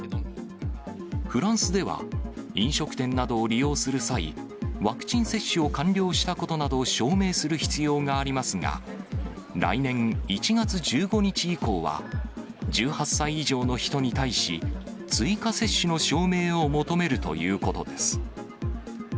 フランスでは、飲食店などを利用する際、ワクチン接種を完了したことなどを証明する必要がありますが、来年１月１５日以降は、１８歳以上の人に対し、追加接種の証明を求めるということです。